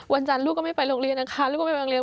วันจันทร์ลูกก็ไม่ไปโรงเรียนอังคารลูกก็ไม่ไปโรงเรียน